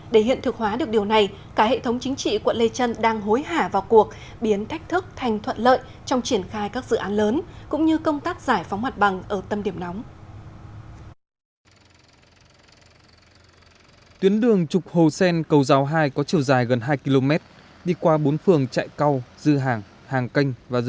để hiện thực hóa được điều này cả hệ thống chính trị quận lê trân đang hối hả vào cuộc biến thách thức thành thuận lợi trong triển khai các dự án lớn cũng như công tác giải phóng hoạt bằng ở tâm điểm nóng